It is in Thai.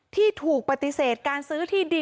ที่ถูกปฏิเสธการซื้อที่ดิน